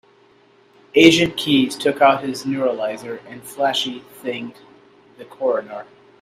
Agent Keys took out his neuralizer and flashy-thinged the coroner.